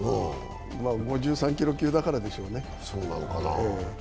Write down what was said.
まあ、５３キロ級だからでしょうな。